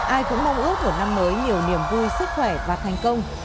ai cũng mong ước của năm mới nhiều niềm vui sức khỏe và thành công